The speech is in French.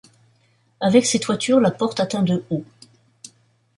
Avec ses toitures, la porte atteint de haut.